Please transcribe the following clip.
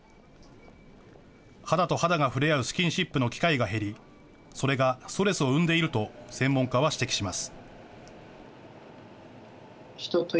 肌と肌が触れ合うスキンシップの機会が減り、それがストレスを生んでいると、専門家は指摘します。